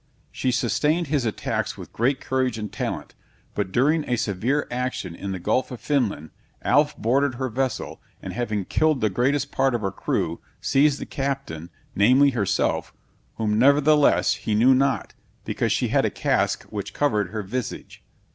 She sustained his attacks with great courage and talent; but during a severe action in the gulf of Finland, Alf boarded her vessel, and having killed the greatest part of her crew, seized the captain, namely herself; whom nevertheless he knew not, because she had a casque which covered her visage.